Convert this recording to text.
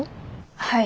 はい。